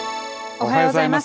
おはようございます。